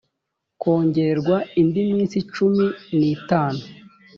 kongererwa indi minsi cumi n itanu